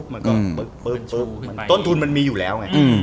มันก็ต้นทุนมันมีอยู่แล้ว